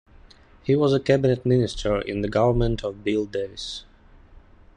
He was a cabinet minister in the government of Bill Davis.